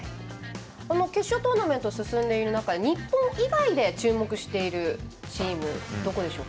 決勝トーナメント進んでいる中で日本以外で注目しているチームはどこですか。